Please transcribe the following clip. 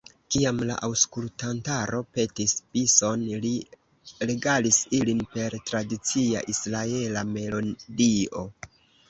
Kiam la aŭskultantaro petis bison, li regalis ilin per tradicia israela melodio.